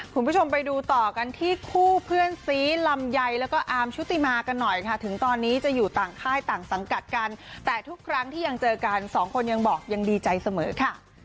คุณผู้ชมไปดูต่อกันที่คู่เพื่อนซีลำไยแล้วก็อาร์มชุติมากันหน่อยค่ะถึงตอนนี้จะอยู่ต่างค่ายต่างสังกัดกันแต่ทุกครั้งที่ยังเจอกันสองคนยังบอกยังดีใจเสมอค่ะ